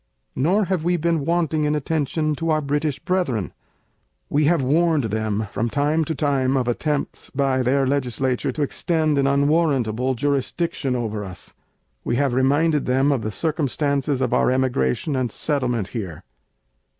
Nor have We been wanting in attention to our Brittish brethren. We have warned them from time to time of attempts by their legislature to extend an unwarrantable jurisdiction over us. We have reminded them of the circumstances of our emigration and settlement here.